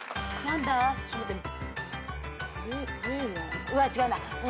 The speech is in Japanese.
ぶれうわ違うな。